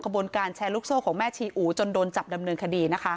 บนการแชร์ลูกโซ่ของแม่ชีอูจนโดนจับดำเนินคดีนะคะ